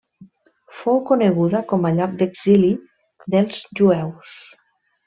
Fou coneguda com a lloc d'exili dels jueus.